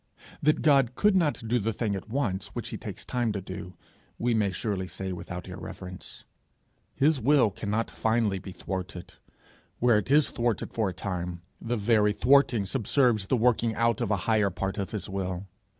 That God could not do the thing at once which he takes time to do, we may surely say without irreverence. His will cannot finally be thwarted; where it is thwarted for a time, the very thwarting subserves the working out of a higher part of his will.